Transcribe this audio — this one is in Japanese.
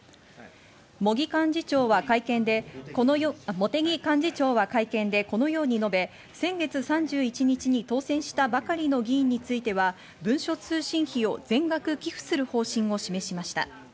茂木幹事長は会見でこのように述べ、先月３１日に当選したばかりの議員については、文書通信費を全額寄付する方針を示しました。